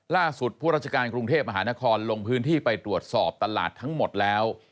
ผู้ราชการกรุงเทพมหานครลงพื้นที่ไปตรวจสอบตลาดทั้งหมดแล้ว